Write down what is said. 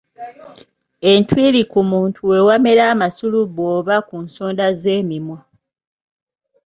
Entwiri ku muntu we wamera amasulubu oba ku nsonda z’emimwa.